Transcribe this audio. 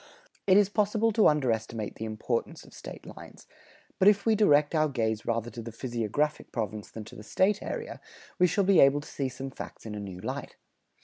It is possible to underestimate the importance of State lines, but if we direct our gaze rather to the physiographic province than to the State area, we shall be able to see some facts in a new light.